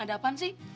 ada apaan sih